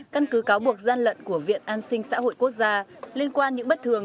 căn cứ cáo buộc gian lận của viện an sinh xã hội quốc gia liên quan những bất thường